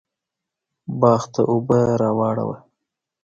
باغ ته اوبه راواړوه